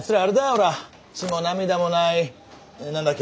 ほら血も涙もない何だっけ